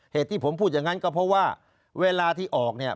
เหตุที่ผมพูดอย่างนั้นก็เพราะว่าเวลาที่ออกเนี่ย